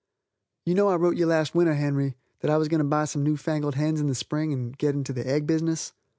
You know I wrote you last winter, Henry, that I was going to buy some new fangled hens in the spring and go into the egg business.